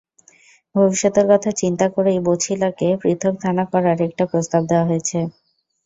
ভবিষ্যতের কথা চিন্তা করেই বছিলাকে পৃথক থানা করার একটি প্রস্তাব দেওয়া হয়েছে।